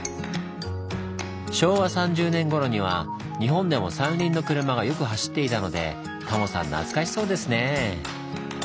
昭和３０年ごろには日本でも三輪の車がよく走っていたのでタモさん懐かしそうですね。